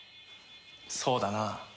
そうだな。